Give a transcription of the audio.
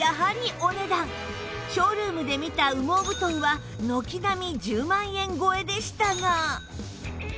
ショールームで見た羽毛布団は軒並み１０万円超えでしたが